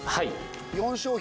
４商品